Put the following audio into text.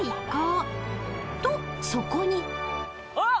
［とそこに］えっ！？